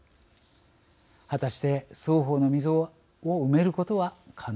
果たして双方の溝を埋めることは可能なのでしょうか。